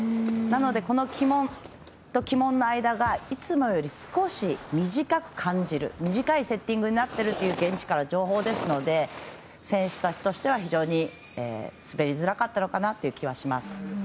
なので、旗門と旗門の間がいつもより少し短く感じる短いセッティングになっているという現地からの情報ですので選手たちとしては非常に滑りづらかったのかなという気がします。